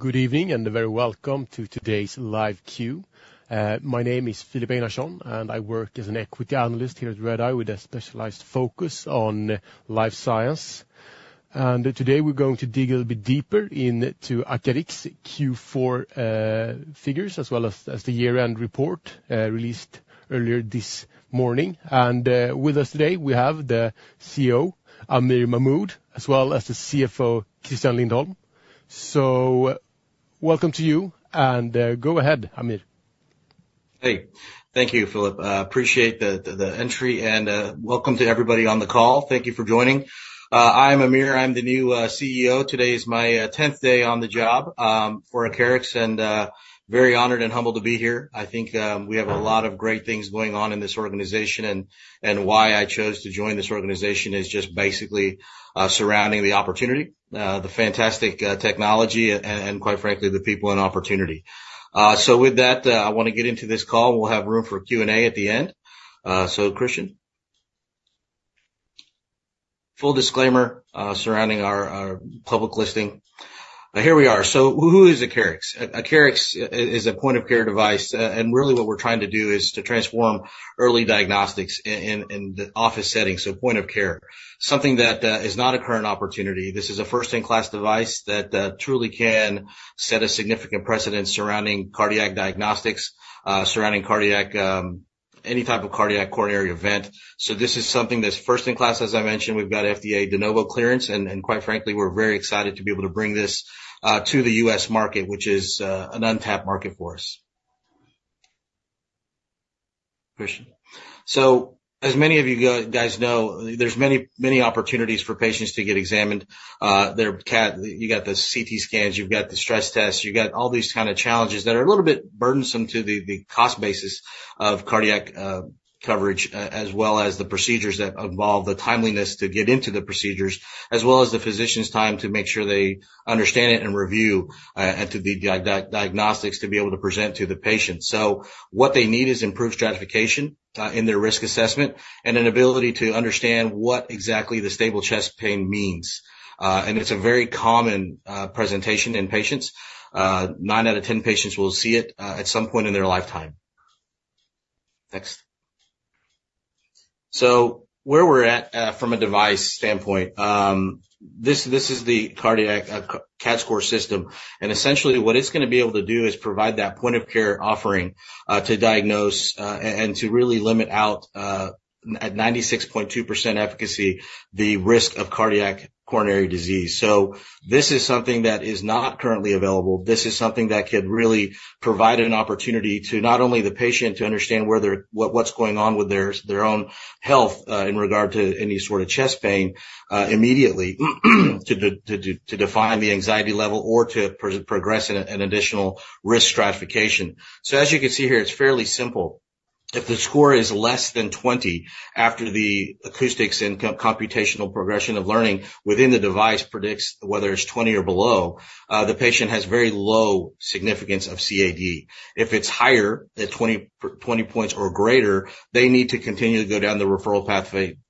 Good evening and very welcome to today's live queue. My name is Filip Einarsson, and I work as an Equity Analyst here at Redeye with a specialized focus on life science. Today we're going to dig a little bit deeper into Acarix Q4 figures as well as the year-end report released earlier this morning. With us today we have the CEO Aamir Mahmood as well as the CFO Christian Lindholm. Welcome to you, and go ahead, Aamir. Hey, thank you, Filip. I appreciate the entry, and welcome to everybody on the call. Thank you for joining. I'm Aamir, I'm the new CEO. Today is my 10th day on the job for Acarix, and very honored and humbled to be here. I think we have a lot of great things going on in this organization, and why I chose to join this organization is just basically surrounding the opportunity, the fantastic technology, and quite frankly, the people and opportunity. So with that, I want to get into this call. We'll have room for Q&A at the end. So, Christian? Full disclaimer surrounding our public listing. Here we are. So who is Acarix? Acarix is a point-of-care device, and really what we're trying to do is to transform early diagnostics in the office setting, so point-of-care. Something that is not a current opportunity. This is a first-in-class device that truly can set a significant precedent surrounding cardiac diagnostics, surrounding any type of cardiac coronary event. So this is something that's first-in-class. As I mentioned, we've got FDA De Novo clearance, and quite frankly, we're very excited to be able to bring this to the U.S. market, which is an untapped market for us. Christian? So as many of you guys know, there's many opportunities for patients to get examined. You've got the CT scans, you've got the stress tests, you've got all these kind of challenges that are a little bit burdensome to the cost basis of cardiac coverage, as well as the procedures that involve the timeliness to get into the procedures, as well as the physician's time to make sure they understand it and review, and to the diagnostics to be able to present to the patient. So what they need is improved stratification in their risk assessment and an ability to understand what exactly the stable chest pain means. And it's a very common presentation in patients. Nine out of 10 patients will see it at some point in their lifetime. Next. So where we're at from a device standpoint, this is the CADScor System. And essentially, what it's going to be able to do is provide that point-of-care offering to diagnose and to really limit out, at 96.2% efficacy, the risk of cardiac coronary disease. So this is something that is not currently available. This is something that could really provide an opportunity to not only the patient to understand what's going on with their own health in regard to any sort of chest pain immediately, to define the anxiety level, or to progress in additional risk stratification. So as you can see here, it's fairly simple. If the score is less than 20 after the acoustics and computational progression of learning within the device predicts whether it's 20 or below, the patient has very low significance of CAD. If it's higher at 20 points or greater, they need to continue to go down the referral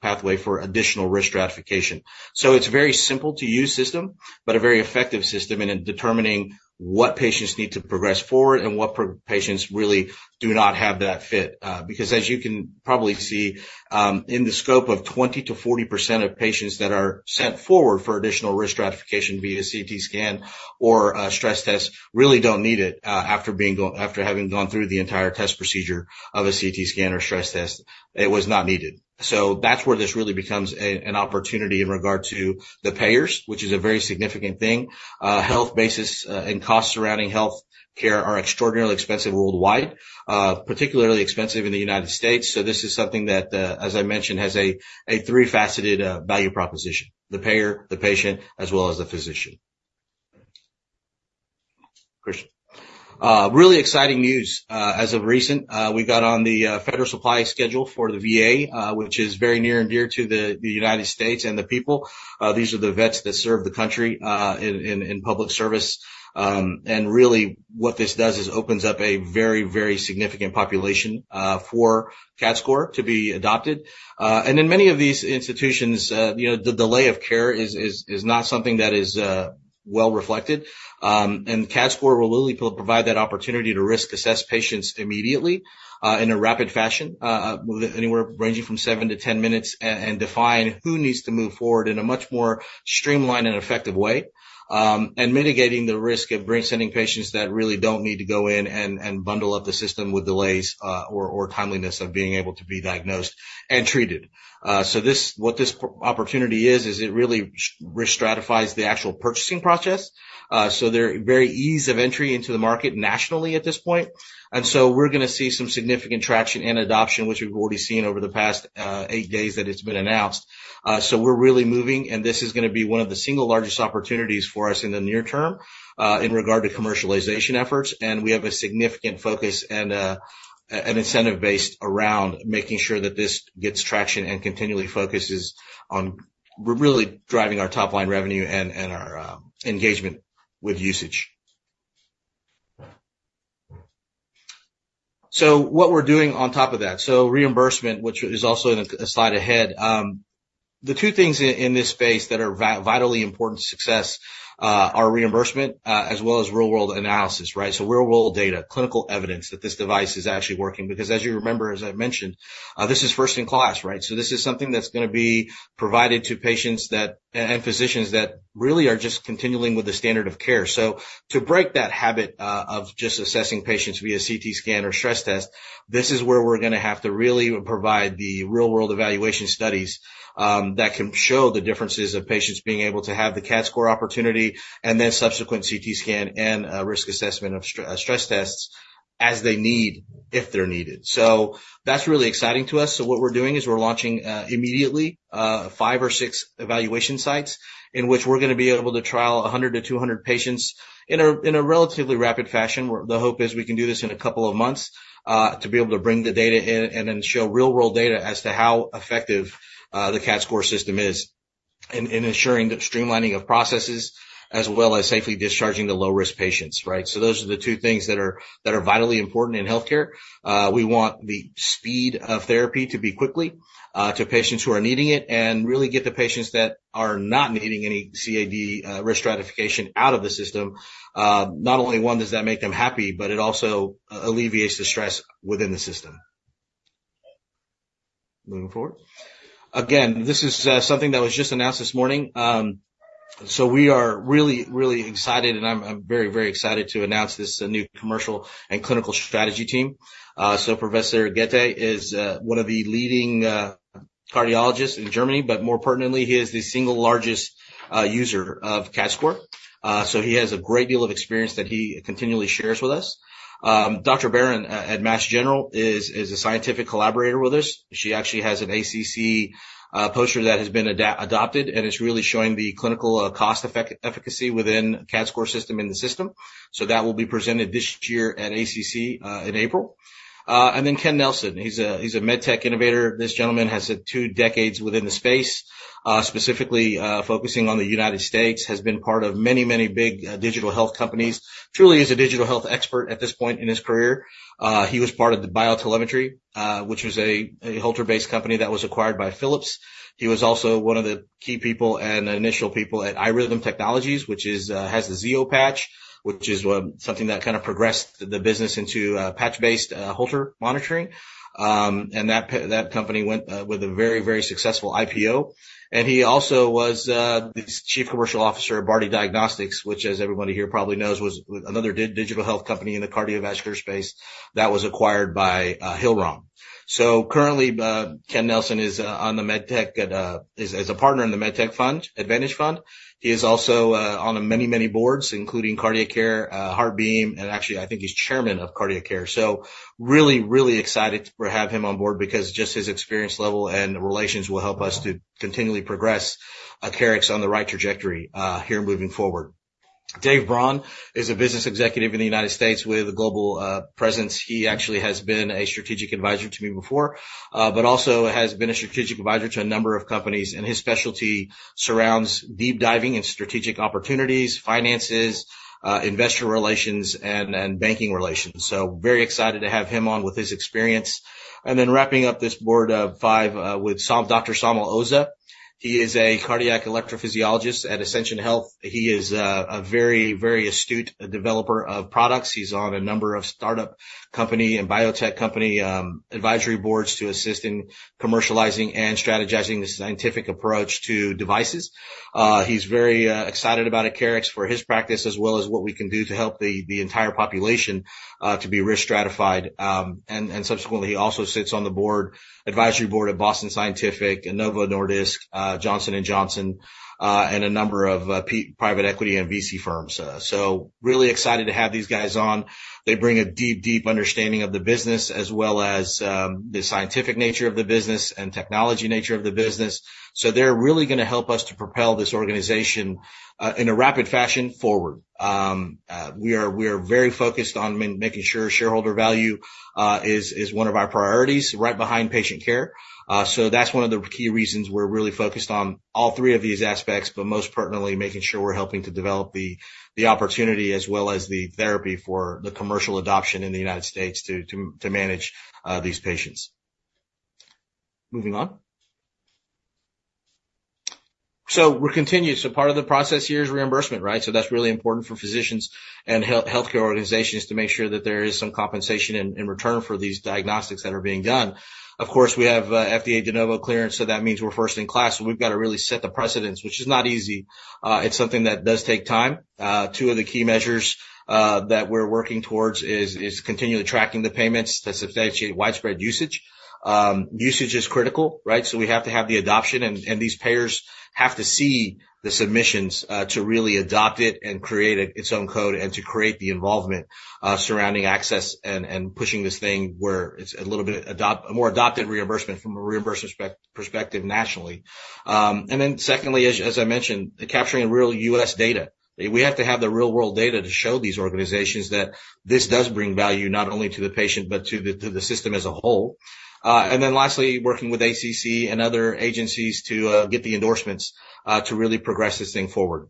pathway for additional risk stratification. So it's a very simple-to-use system, but a very effective system in determining what patients need to progress forward and what patients really do not have that fit. Because as you can probably see, in the scope of 20%-40% of patients that are sent forward for additional risk stratification via CT scan or stress test really don't need it after having gone through the entire test procedure of a CT scan or stress test. It was not needed. So that's where this really becomes an opportunity in regard to the payers, which is a very significant thing. Health basis and costs surrounding health care are extraordinarily expensive worldwide, particularly expensive in the United States. So this is something that, as I mentioned, has a three-faceted value proposition: the payer, the patient, as well as the physician. Christian? Really exciting news as of recent. We got on the federal supply schedule for the VA, which is very near and dear to the United States and the people. These are the vets that serve the country in public service. And really, what this does is opens up a very, very significant population for CADScor to be adopted. And in many of these institutions, the delay of care is not something that is well reflected. CADScor will really provide that opportunity to risk assess patients immediately in a rapid fashion, anywhere ranging from seven to 10 minutes, and define who needs to move forward in a much more streamlined and effective way, and mitigating the risk of sending patients that really don't need to go in and bundle up the system with delays or timeliness of being able to be diagnosed and treated. So what this opportunity is, is it really risk stratifies the actual purchasing process. So there are very ease of entry into the market nationally at this point. And so we're going to see some significant traction and adoption, which we've already seen over the past eight days that it's been announced. So we're really moving, and this is going to be one of the single largest opportunities for us in the near term in regard to commercialization efforts. We have a significant focus and incentive base around making sure that this gets traction and continually focuses on really driving our top-line revenue and our engagement with usage. So what we're doing on top of that, so reimbursement, which is also in a slide ahead. The two things in this space that are vitally important to success are reimbursement as well as real-world analysis, right? So real-world data, clinical evidence that this device is actually working. Because as you remember, as I mentioned, this is first-in-class, right? So this is something that's going to be provided to patients and physicians that really are just continuing with the standard of care. So to break that habit of just assessing patients via CT scan or stress test, this is where we're going to have to really provide the real-world evaluation studies that can show the differences of patients being able to have the CADScor opportunity and then subsequent CT scan and risk assessment of stress tests as they need if they're needed. So that's really exciting to us. So what we're doing is we're launching immediately five or six evaluation sites in which we're going to be able to trial 100-200 patients in a relatively rapid fashion. The hope is we can do this in a couple of months to be able to bring the data in and then show real-world data as to how effective the CADScor system is in ensuring the streamlining of processes as well as safely discharging the low-risk patients, right? So those are the two things that are vitally important in healthcare. We want the speed of therapy to be quickly to patients who are needing it and really get the patients that are not needing any CAD risk stratification out of the system. Not only, one, does that make them happy, but it also alleviates the stress within the system. Moving forward. Again, this is something that was just announced this morning. So we are really, really excited, and I'm very, very excited to announce this new commercial and clinical strategy team. So Professor Götte is one of the leading cardiologists in Germany, but more pertinently, he is the single largest user of CADScor. So he has a great deal of experience that he continually shares with us. Dr. Baron at Mass General is a scientific collaborator with us. She actually has an ACC poster that has been adopted, and it's really showing the clinical cost efficacy within the CADScor System. So that will be presented this year at ACC in April. And then Ken Nelson. He's a medtech innovator. This gentleman has had two decades within the space, specifically focusing on the United States, has been part of many, many big digital health companies, truly is a digital health expert at this point in his career. He was part of the BioTelemetry, which was a Holter-based company that was acquired by Philips. He was also one of the key people and initial people at iRhythm Technologies, which has the Zio patch, which is something that kind of progressed the business into patch-based Holter monitoring. And that company went with a very, very successful IPO. And he also was the chief commercial officer of Bardy Diagnostics, which, as everybody here probably knows, was another digital health company in the cardiovascular space that was acquired by Hillrom. So currently, Ken Nelson is on the Medtech Advantage Fund as a partner. He is also on many, many boards, including CardiaCare, HeartBeam, and actually, I think he's chairman of CardiaCare. So really, really excited to have him on board because just his experience level and relations will help us to continually progress Acarix on the right trajectory here moving forward. Dave Braun is a business executive in the United States with a global presence. He actually has been a strategic advisor to me before, but also has been a strategic advisor to a number of companies. And his specialty surrounds deep diving in strategic opportunities, finances, investor relations, and banking relations. So very excited to have him on with his experience. And then wrapping up this board of five with Dr. Saumil Oza. He is a cardiac electrophysiologist at Ascension Health. He is a very, very astute developer of products. He's on a number of startup company and biotech company advisory boards to assist in commercializing and strategizing the scientific approach to devices. He's very excited about Acarix for his practice as well as what we can do to help the entire population to be risk stratified. And subsequently, he also sits on the advisory board of Boston Scientific, Novo Nordisk, Johnson & Johnson, and a number of private equity and VC firms. So really excited to have these guys on. They bring a deep, deep understanding of the business as well as the scientific nature of the business and technology nature of the business. So they're really going to help us to propel this organization in a rapid fashion forward. We are very focused on making sure shareholder value is one of our priorities right behind patient care. So that's one of the key reasons we're really focused on all three of these aspects, but most pertinently, making sure we're helping to develop the opportunity as well as the therapy for the commercial adoption in the United States to manage these patients. Moving on. So we're continuing. So part of the process here is reimbursement, right? So that's really important for physicians and healthcare organizations to make sure that there is some compensation in return for these diagnostics that are being done. Of course, we have FDA de novo clearance, so that means we're first-in-class. So we've got to really set the precedence, which is not easy. It's something that does take time. Two of the key measures that we're working towards is continually tracking the payments to substantiate widespread usage. Usage is critical, right? So we have to have the adoption, and these payers have to see the submissions to really adopt it and create its own code and to create the involvement surrounding access and pushing this thing where it's a little bit more adopted reimbursement from a reimbursement perspective nationally. And then secondly, as I mentioned, capturing real US data. We have to have the real-world data to show these organizations that this does bring value not only to the patient but to the system as a whole. And then lastly, working with ACC and other agencies to get the endorsements to really progress this thing forward.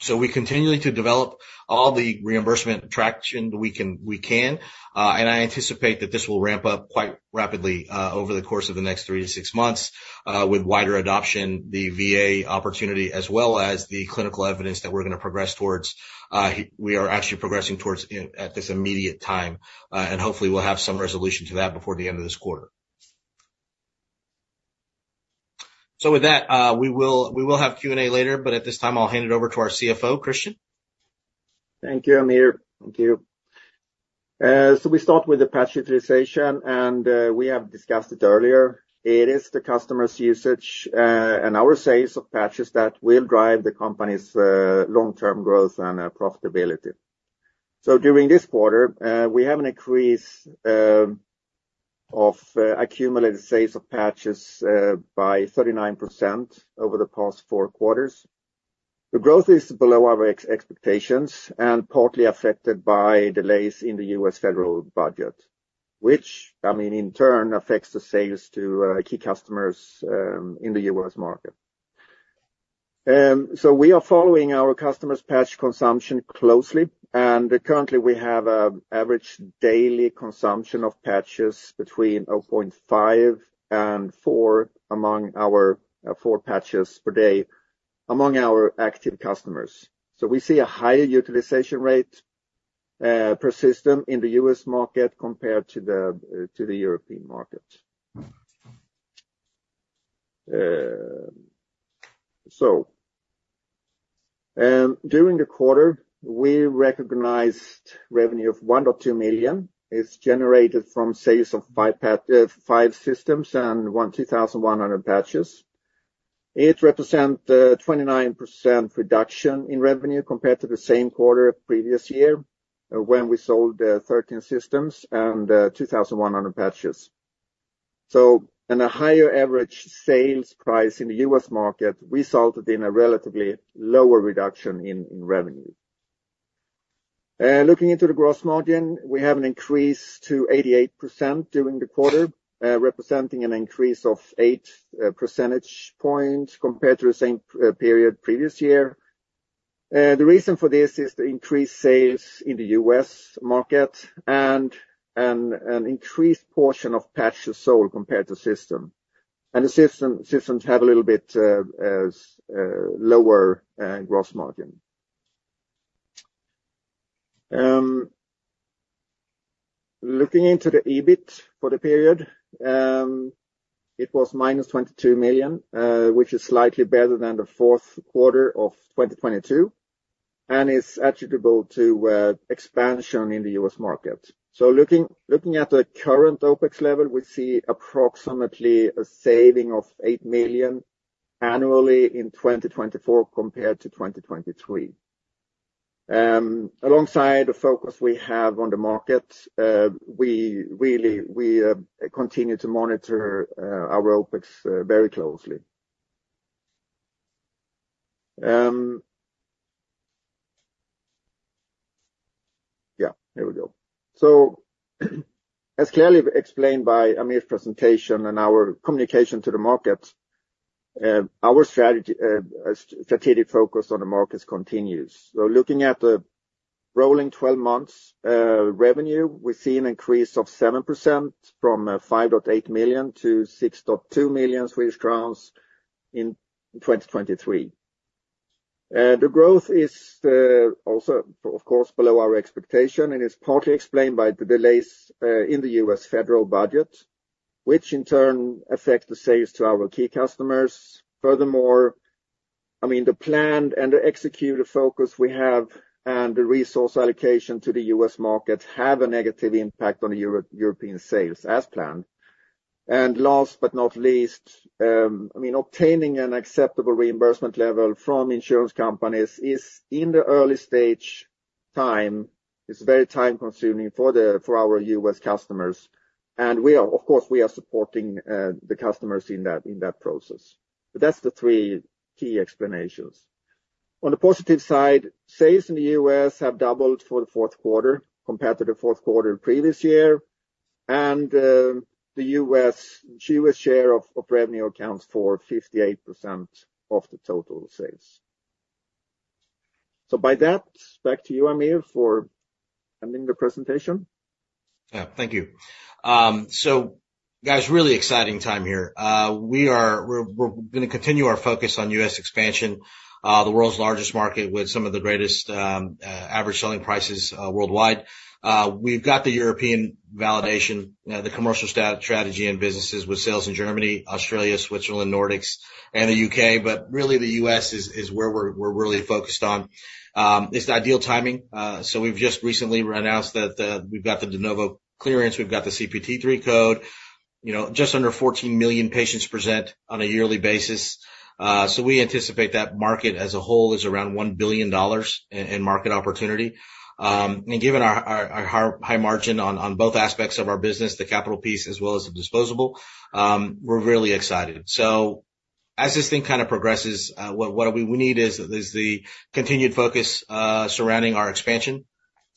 So we continue to develop all the reimbursement traction we can, and I anticipate that this will ramp up quite rapidly over the course of the next three to six months with wider adoption, the VA opportunity, as well as the clinical evidence that we're going to progress towards. We are actually progressing towards at this immediate time, and hopefully, we'll have some resolution to that before the end of this quarter. So with that, we will have Q&A later, but at this time, I'll hand it over to our CFO, Christian. Thank you, Aamir. Thank you. So we start with the patch utilization, and we have discussed it earlier. It is the customer's usage and our sales of patches that will drive the company's long-term growth and profitability. So during this quarter, we have an increase of accumulated sales of patches by 39% over the past four quarters. The growth is below our expectations and partly affected by delays in the U.S. federal budget, which, I mean, in turn, affects the sales to key customers in the U.S. market. We are following our customers' patch consumption closely, and currently, we have an average daily consumption of patches between 0.5 and 4 among our 4 patches per day among our active customers. We see a higher utilization rate persistent in the U.S. market compared to the European market. During the quarter, we recognized revenue of 1 million-2 million is generated from sales of five systems and 2,100 patches. It represents a 29% reduction in revenue compared to the same quarter previous year when we sold 13 systems and 2,100 patches. In a higher average sales price in the U.S. market, resulted in a relatively lower reduction in revenue. Looking into the gross margin, we have an increase to 88% during the quarter, representing an increase of eight percentage points compared to the same period previous year. The reason for this is the increased sales in the U.S. market and an increased portion of patches sold compared to system. And the systems have a little bit lower gross margin. Looking into the EBIT for the period, it was -22 million, which is slightly better than the fourth quarter of 2022 and is attributable to expansion in the US market. So looking at the current OPEX level, we see approximately a saving of 8 million annually in 2024 compared to 2023. Alongside the focus we have on the market, we really continue to monitor our OPEX very closely. Yeah, here we go. So as clearly explained by Aamir's presentation and our communication to the market, our strategic focus on the markets continues. So looking at the rolling 12-month revenue, we see an increase of 7% from 5.8 million to 6.2 million Swedish crowns in 2023. The growth is also, of course, below our expectation, and it's partly explained by the delays in the U.S. federal budget, which in turn affect the sales to our key customers. Furthermore, I mean, the planned and the executed focus we have and the resource allocation to the U.S. markets have a negative impact on European sales as planned. And last but not least, I mean, obtaining an acceptable reimbursement level from insurance companies is in the early stage time. It's very time-consuming for our U.S. customers. And of course, we are supporting the customers in that process. But that's the three key explanations. On the positive side, sales in the U.S. have doubled for the fourth quarter compared to the fourth quarter previous year. And the U.S. share of revenue accounts for 58% of the total sales. So by that, back to you, Amir, for ending the presentation. Yeah, thank you. So guys, really exciting time here. We're going to continue our focus on U.S. expansion, the world's largest market with some of the greatest average selling prices worldwide. We've got the European validation, the commercial strategy and businesses with sales in Germany, Australia, Switzerland, Nordics, and the U.K., but really, the U.S. is where we're really focused on. It's ideal timing. So we've just recently announced that we've got the de novo clearance. We've got the CPT3 code. Just under 14 million patients present on a yearly basis. So we anticipate that market as a whole is around $1 billion in market opportunity. Given our high margin on both aspects of our business, the capital piece as well as the disposable, we're really excited. As this thing kind of progresses, what we need is the continued focus surrounding our expansion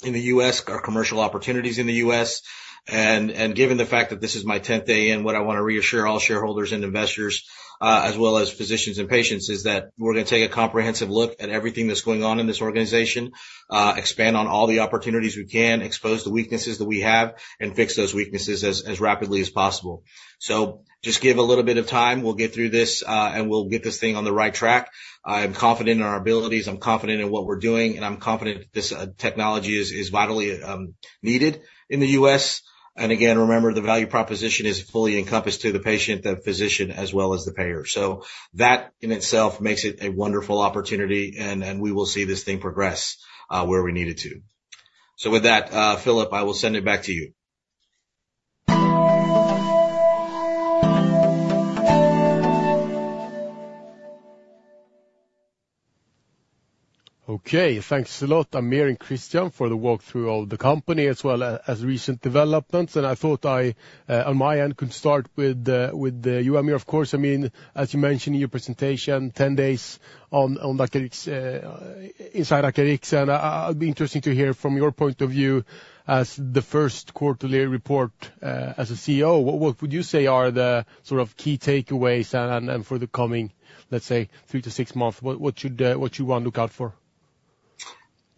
in the U.S., our commercial opportunities in the U.S. Given the fact that this is my 10th day in, what I want to reassure all shareholders and investors as well as physicians and patients is that we're going to take a comprehensive look at everything that's going on in this organization, expand on all the opportunities we can, expose the weaknesses that we have, and fix those weaknesses as rapidly as possible. Just give a little bit of time. We'll get through this, and we'll get this thing on the right track. I'm confident in our abilities. I'm confident in what we're doing, and I'm confident that this technology is vitally needed in the U.S. And again, remember, the value proposition is fully encompassed to the patient, the physician, as well as the payer. So that in itself makes it a wonderful opportunity, and we will see this thing progress where we need it to. So with that, Filip, I will send it back to you. Okay. Thanks a lot, Aamir and Christian, for the walkthrough of the company as well as recent developments. And I thought I, on my end, could start with you, Aamir. Of course, I mean, as you mentioned in your presentation, 10 days inside Acarix, and it'll be interesting to hear from your point of view as the first quarterly report as a CEO. What would you say are the sort of key takeaways for the coming, let's say, 3-6 months? What should one look out for?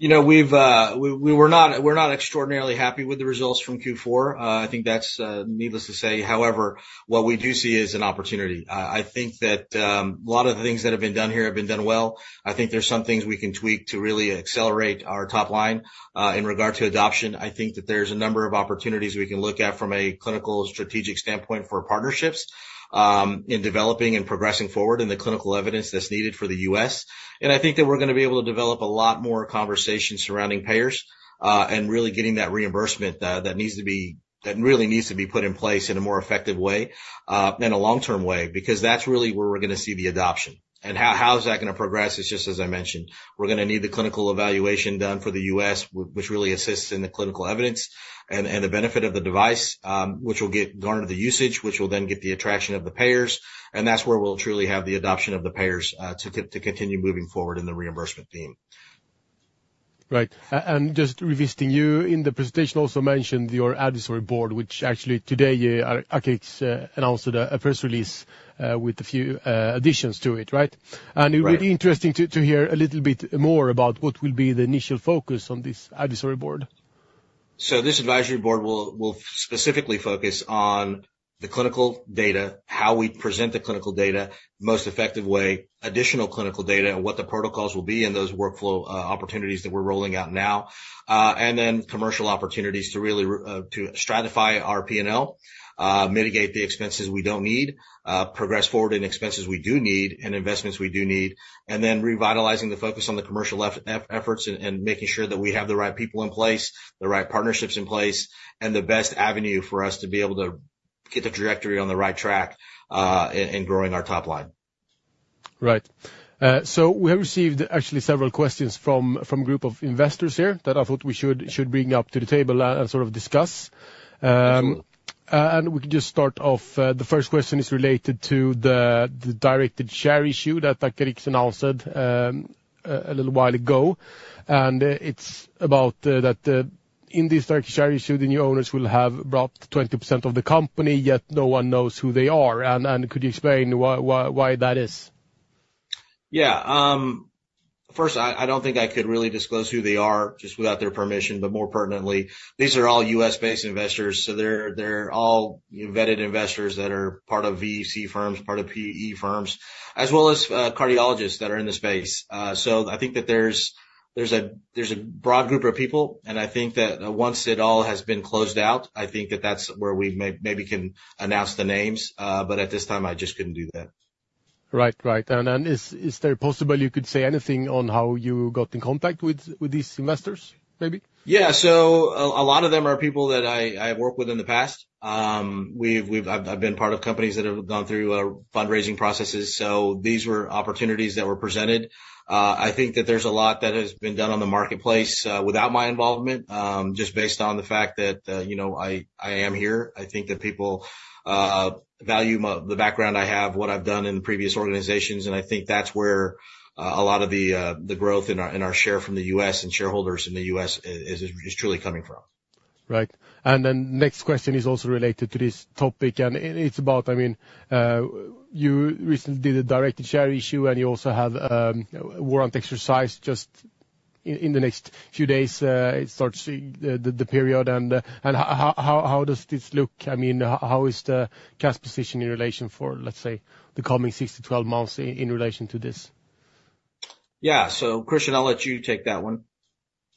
We're not extraordinarily happy with the results from Q4. I think that's needless to say. However, what we do see is an opportunity. I think that a lot of the things that have been done here have been done well. I think there's some things we can tweak to really accelerate our top line in regard to adoption. I think that there's a number of opportunities we can look at from a clinical strategic standpoint for partnerships in developing and progressing forward in the clinical evidence that's needed for the U.S. I think that we're going to be able to develop a lot more conversation surrounding payers and really getting that reimbursement that really needs to be put in place in a more effective way and a long-term way because that's really where we're going to see the adoption. How is that going to progress? It's just, as I mentioned, we're going to need the clinical evaluation done for the U.S., which really assists in the clinical evidence and the benefit of the device, which will get garnered the usage, which will then get the attraction of the payers. That's where we'll truly have the adoption of the payers to continue moving forward in the reimbursement theme. Right. Just revisiting, you, in the presentation, also mentioned your advisory board, which actually today, Acarix announced a press release with a few additions to it, right? It would be interesting to hear a little bit more about what will be the initial focus on this advisory board. This advisory board will specifically focus on the clinical data, how we present the clinical data in the most effective way, additional clinical data, and what the protocols will be in those workflow opportunities that we're rolling out now. Commercial opportunities to really stratify our P&L, mitigate the expenses we don't need, progress forward in expenses we do need and investments we do need, and then revitalizing the focus on the commercial efforts and making sure that we have the right people in place, the right partnerships in place, and the best avenue for us to be able to get the trajectory on the right track in growing our top line. Right. So we have received actually several questions from a group of investors here that I thought we should bring up to the table and sort of discuss. We can just start off. The first question is related to the directed share issue that Acarix announced a little while ago. It's about that in this directed share issue, the new owners will have brought 20% of the company, yet no one knows who they are. Could you explain why that is? Yeah. First, I don't think I could really disclose who they are just without their permission, but more pertinently, these are all U.S. based investors. So they're all vetted investors that are part of VC firms, part of PE firms, as well as cardiologists that are in the space. So I think that there's a broad group of people. I think that once it all has been closed out, I think that that's where we maybe can announce the names. But at this time, I just couldn't do that. Right, right. And is there possible you could say anything on how you got in contact with these investors, maybe? Yeah. So a lot of them are people that I have worked with in the past. I've been part of companies that have gone through fundraising processes. So these were opportunities that were presented. I think that there's a lot that has been done on the marketplace without my involvement, just based on the fact that I am here. I think that people value the background I have, what I've done in the previous organizations. I think that's where a lot of the growth in our share from the US and shareholders in the U.S. is truly coming from. Right. Then next question is also related to this topic. It's about, I mean, you recently did a directed share issue, and you also have a warrant exercise just in the next few days. It starts the period. How does this look? I mean, how is the cash position in relation for, let's say, the coming six to 12 months in relation to this? Yeah. So Christian, I'll let you take that one.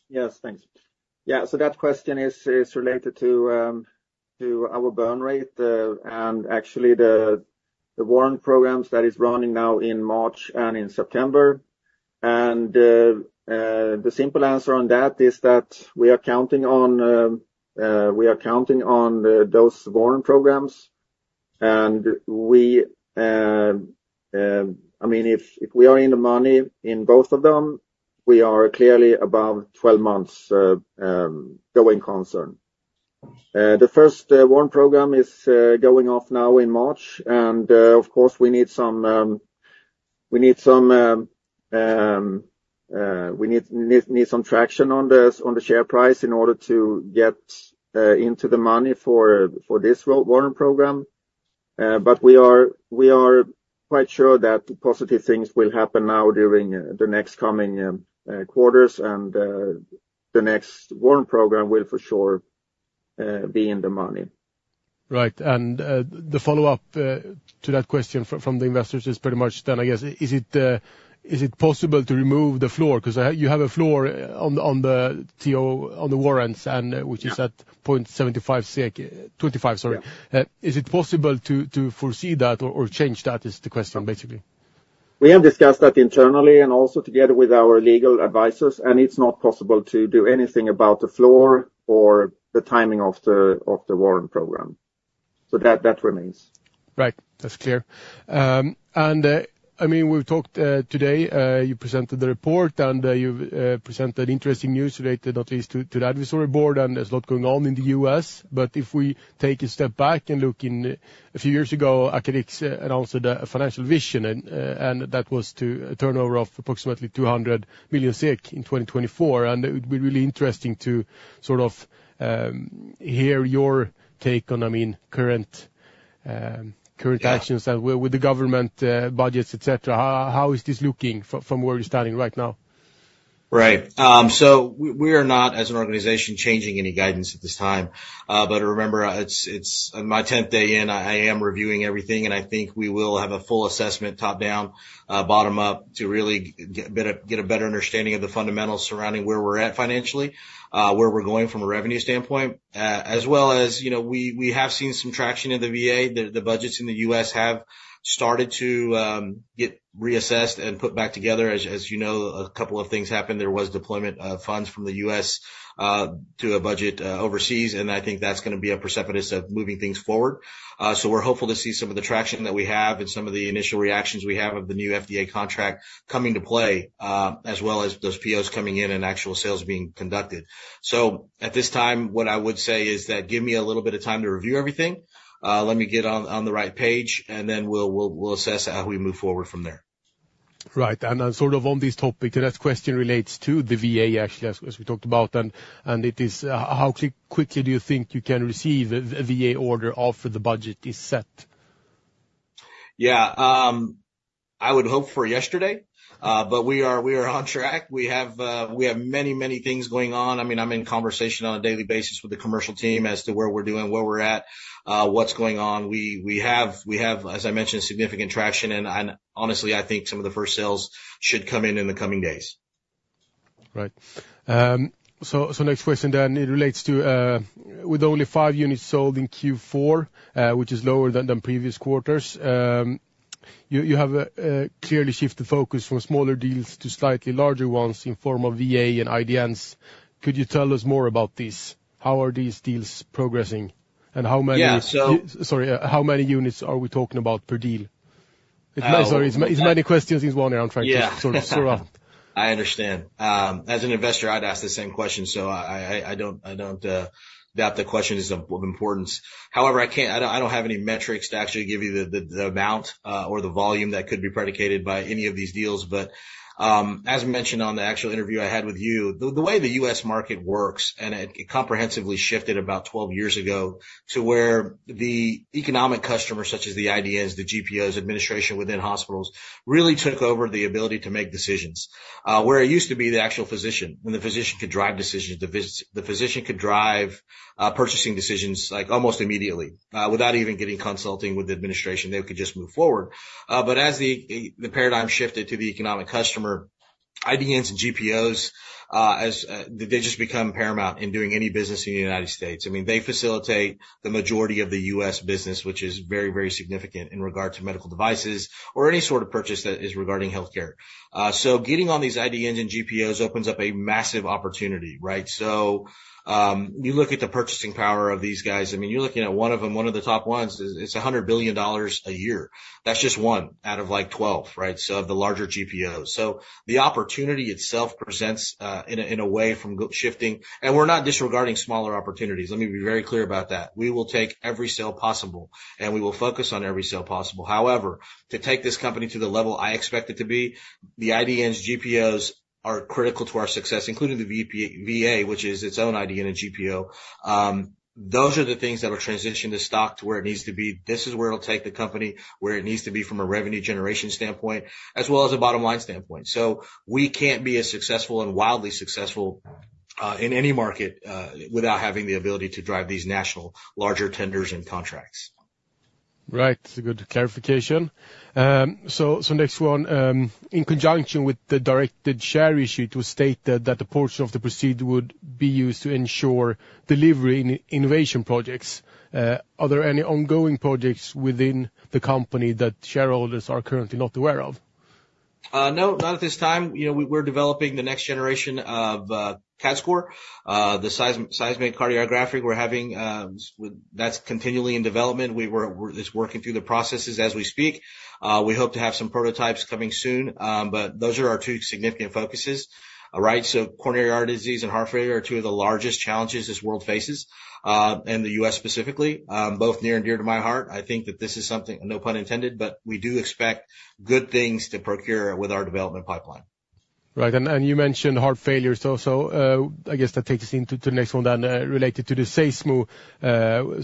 Yes, thanks. Yeah. So that question is related to our burn rate and actually the warrant programs that is running now in March and in September. The simple answer on that is that we are counting on we are counting on those warrant programs. I mean, if we are in the money in both of them, we are clearly above 12 months going concern. The first warrant program is going off now in March. And of course, we need some traction on the share price in order to get into the money for this warrant program. But we are quite sure that positive things will happen now during the next coming quarters. And the next warrant program will for sure be in the money. Right. And the follow-up to that question from the investors is pretty much then, I guess, is it possible to remove the floor? Because you have a floor on the warrants, which is at 25, sorry. Is it possible to foresee that or change that? Is the question, basically. We have discussed that internally and also together with our legal advisors. It's not possible to do anything about the floor or the timing of the warrant program. So that remains. Right. That's clear. I mean, we've talked today. You presented the report, and you presented interesting news related, not least, to the advisory board. And there's a lot going on in the U.S. But if we take a step back and look in a few years ago, Acarix announced a financial vision. And that was to turnover of approximately 200 million SEK in 2024. And it would be really interesting to sort of hear your take on, I mean, current actions with the government budgets, etc. How is this looking from where you're standing right now? Right. So we are not, as an organization, changing any guidance at this time. But remember, on my 10th day in, I am reviewing everything. And I think we will have a full assessment top-down, bottom-up, to really get a better understanding of the fundamentals surrounding where we're at financially, where we're going from a revenue standpoint, as well as we have seen some traction in the VA. The budgets in the U.S. have started to get reassessed and put back together. As you know, a couple of things happened. There was deployment of funds from the U.S. to a budget overseas. And I think that's going to be a precipitous of moving things forward. So we're hopeful to see some of the traction that we have and some of the initial reactions we have of the new FDA contract coming to play, as well as those POs coming in and actual sales being conducted. So at this time, what I would say is that give me a little bit of time to review everything. Let me get on the right page. Then we'll assess how we move forward from there. Right. And sort of on this topic, the next question relates to the VA, actually, as we talked about. And how quickly do you think you can receive a VA order after the budget is set? Yeah. I would hope for yesterday. But we are on track. We have many, many things going on. I mean, I'm in conversation on a daily basis with the commercial team as to where we're doing, where we're at, what's going on. We have, as I mentioned, significant traction. And honestly, I think some of the first sales should come in in the coming days. Right. So next question then. It relates to with only five units sold in Q4, which is lower than previous quarters. You have clearly shifted focus from smaller deals to slightly larger ones in form of VA and IDNs. Could you tell us more about these? How are these deals progressing? And how many? Sorry. How many units are we talking about per deal? Sorry. It's many questions in one ear. I'm trying to sort of. Yeah. I understand. As an investor, I'd ask the same question. So I don't doubt the question is of importance. However, I don't have any metrics to actually give you the amount or the volume that could be predicated by any of these deals. But as mentioned on the actual interview I had with you, the way the U.S. market works, and it comprehensively shifted about 12 years ago to where the economic customers, such as the IDNs, the GPOs, administration within hospitals, really took over the ability to make decisions, where it used to be the actual physician, and the physician could drive decisions. The physician could drive purchasing decisions almost immediately without even getting consulting with the administration. They could just move forward. But as the paradigm shifted to the economic customer, IDNs and GPOs, they just become paramount in doing any business in the United States. I mean, they facilitate the majority of the U.S. business, which is very, very significant in regard to medical devices or any sort of purchase that is regarding healthcare. So getting on these IDNs and GPOs opens up a massive opportunity, right? So you look at the purchasing power of these guys. I mean, you're looking at one of them, one of the top ones, it's $100 billion a year. That's just one out of like 12, right, of the larger GPOs. So the opportunity itself presents, in a way, from shifting. And we're not disregarding smaller opportunities. Let me be very clear about that. We will take every sale possible. And we will focus on every sale possible. However, to take this company to the level I expect it to be, the IDNs, GPOs are critical to our success, including the VA, which is its own IDN and GPO. Those are the things that will transition the stock to where it needs to be. This is where it'll take the company, where it needs to be from a revenue generation standpoint, as well as a bottom line standpoint. So we can't be as successful and wildly successful in any market without having the ability to drive these national, larger tenders and contracts. Right. That's a good clarification. So next one, in conjunction with the directed share issue, it was stated that a portion of the proceeds would be used to ensure delivery in innovation projects. Are there any ongoing projects within the company that shareholders are currently not aware of? No. Not at this time. We're developing the next generation of CADScor, the seismocardiographic. That's continually in development. It's working through the processes as we speak. We hope to have some prototypes coming soon. But those are our two significant focuses, right? So coronary artery disease and heart failure are two of the largest challenges this world faces, and the U.S. specifically, both near and dear to my heart. I think that this is something no pun intended, but we do expect good things to procure with our development pipeline. Right. And you mentioned heart failure. So I guess that takes us into the next one then related to the SEISMO.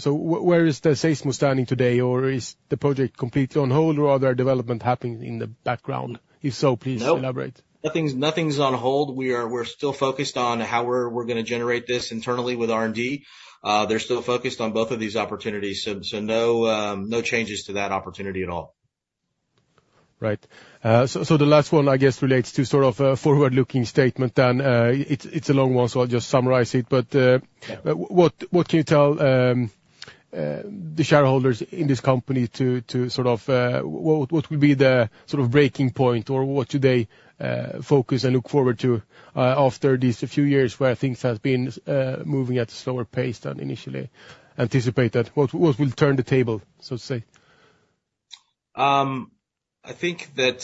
So where is the SEISMO standing today? Or is the project completely on hold, or are there developments happening in the background? If so, please elaborate. No. Nothing's on hold. We're still focused on how we're going to generate this internally with R&D. They're still focused on both of these opportunities. So no changes to that opportunity at all. Right. So the last one, I guess, relates to sort of a forward-looking statement then. It's a long one, so I'll just summarize it. But what can you tell the shareholders in this company to sort of what will be the sort of breaking point, or what should they focus and look forward to after these few years where things have been moving at a slower pace than initially anticipated? What will turn the table, so to say? I think that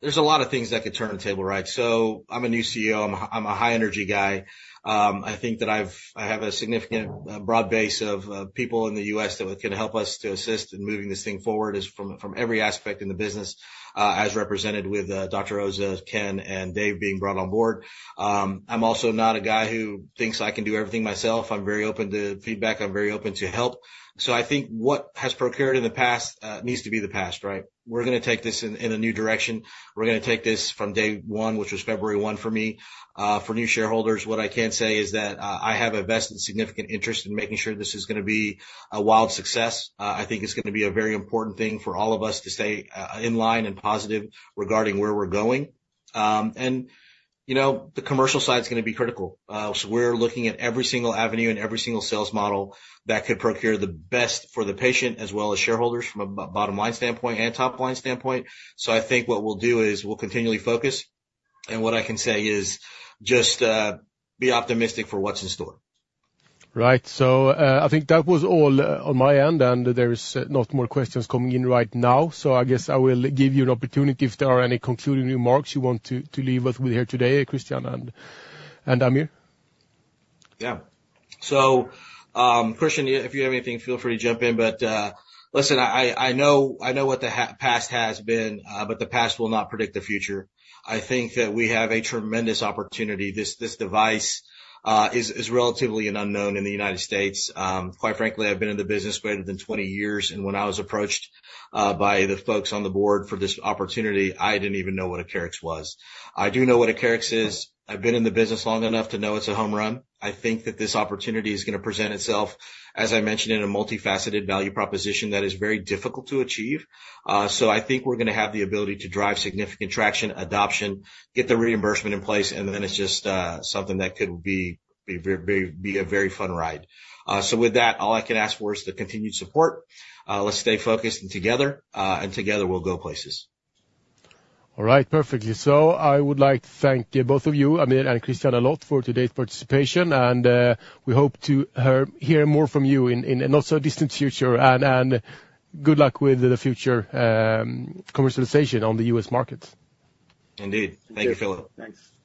there's a lot of things that could turn the table, right? So I'm a new CEO. I'm a high-energy guy. I think that I have a significant broad base of people in the U.S. that can help us to assist in moving this thing forward from every aspect in the business, as represented with Dr. Oza, Ken, and Dave being brought on board. I'm also not a guy who thinks I can do everything myself. I'm very open to feedback. I'm very open to help. So I think what has occurred in the past needs to be the past, right? We're going to take this in a new direction. We're going to take this from day one, which was February 1 for me. For new shareholders, what I can say is that I have a vested significant interest in making sure this is going to be a wild success. I think it's going to be a very important thing for all of us to stay in line and positive regarding where we're going. And the commercial side is going to be critical. So we're looking at every single avenue and every single sales model that could procure the best for the patient, as well as shareholders from a bottom line standpoint and top line standpoint. So I think what we'll do is we'll continually focus. What I can say is just be optimistic for what's in store. Right. I think that was all on my end. There's not more questions coming in right now. I guess I will give you an opportunity if there are any concluding remarks you want to leave us with here today, Christian and Aamir. Yeah. Christian, if you have anything, feel free to jump in. Listen, I know what the past has been, but the past will not predict the future. I think that we have a tremendous opportunity. This device is relatively an unknown in the United States. Quite frankly, I've been in the business greater than 20 years. When I was approached by the folks on the board for this opportunity, I didn't even know what Acarix was. I do know what Acarix is. I've been in the business long enough to know it's a home run. I think that this opportunity is going to present itself, as I mentioned, in a multifaceted value proposition that is very difficult to achieve. So I think we're going to have the ability to drive significant traction, adoption, get the reimbursement in place. And then it's just something that could be a very fun ride. So with that, all I can ask for is the continued support. Let's stay focused and together. And together, we'll go places. All right. Perfectly. So I would like to thank both of you, Aamir and Christian, a lot for today's participation. And we hope to hear more from you in not-so-distant future. And good luck with the future commercialization on the U.S. markets. Indeed. Thank you, Filip. Thanks.